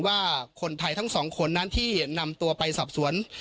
ว่าคนไทยทั้งสองคนนั้นที่นำตัวไปสอบสวน